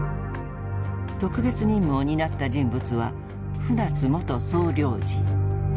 特別任務を担った人物は「船津元総領事」。